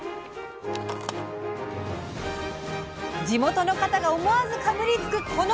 地元の方が思わずかぶりつくこのなす。